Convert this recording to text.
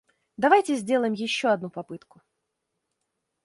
Давайте сделаем еще одну попытку!